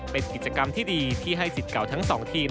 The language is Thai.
เป็นกิจกรรมที่ดีที่ให้สิทธิ์เก่าทั้งสองทีม